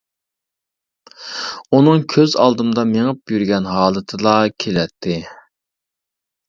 ئۇنىڭ كۆز ئالدىمدا مېڭىپ يۈرگەن ھالىتىلا كېلەتتى.